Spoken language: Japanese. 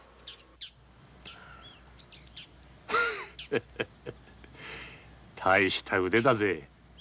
フフフ大した腕だぜ。